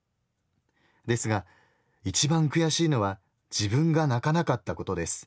ですが一番悔しいのは自分が泣かなかったことです。